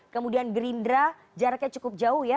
kemudian gerindra jaraknya cukup jauh ya